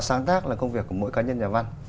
sáng tác là công việc của mỗi cá nhân nhà văn